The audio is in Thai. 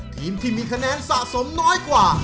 ทีมที่มีคะแนนสะสมน้อยกว่า